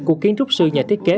của kiến trúc sư nhà thiết kế